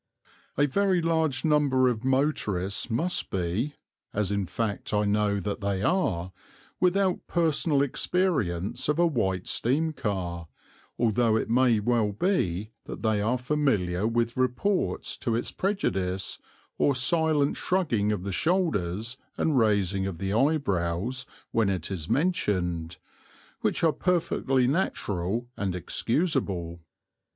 A very large number of motorists must be as in fact I know that they are without personal experience of a White steam car, although it may well be that they are familiar with reports to its prejudice, or silent shrugging of the shoulders and raising of the eyebrows when it is mentioned, which are perfectly natural and excusable.